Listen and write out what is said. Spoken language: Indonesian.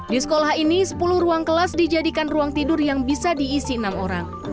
di sekolah ini sepuluh ruang kelas dijadikan ruang tidur yang bisa diisi enam orang